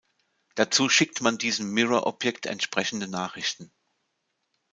Dazu schickt man diesem Mirror-Objekt entsprechende Nachrichten.